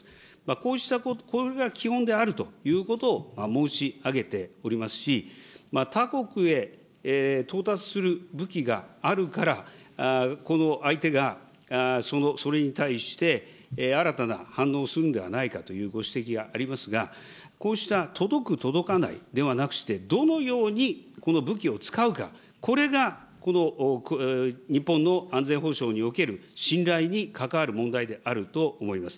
こうしたこと、これが基本であるということを申し上げておりますし、他国へ到達する武器があるから、この相手が、それに対して新たな反応をするのではないかというご指摘がありますが、こうした届く届かないではなくして、どのようにこの武器を使うか、これがこの日本の安全保障における信頼に関わる問題であると思います。